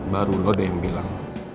baru lo ada yang bilang